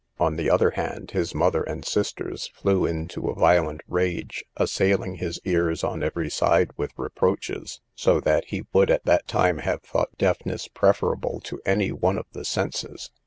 On the other hand, his mother and sisters flew into a violent rage, assailing his ears on every side with reproaches; so that he would at that time have thought deafness preferable to any one of the senses.